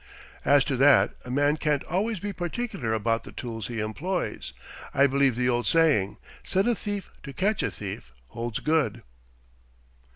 "As to that, a man can't always be particular about the tools he employs. I believe the old saying, set a thief to catch a thief, holds good."